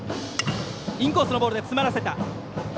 インコースのボールでつまらせた。